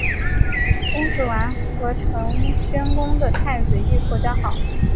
公子完和陈宣公的太子御寇交好。